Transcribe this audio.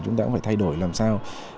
chúng ta cũng phải thay đổi làm sao